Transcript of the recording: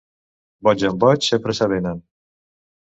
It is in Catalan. Boig amb boig, sempre s'avenen.